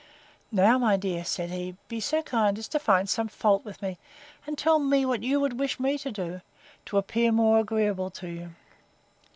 Now, my dear, said he, be so kind as to find some fault with me, and tell me what you would wish me to do, to appear more agreeable to you.